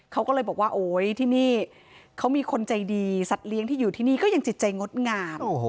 เขาก็เลยบอกว่าโอ๊ยที่นี่เขามีคนใจดีสัตว์เลี้ยงที่อยู่ที่นี่ก็ยังจิตใจงดงาม